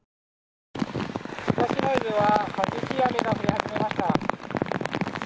千葉市内では激しい雨が降り始めました。